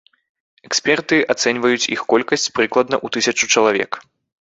Эксперты ацэньваюць іх колькасць прыкладна ў тысячу чалавек.